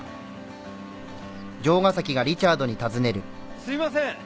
すいません！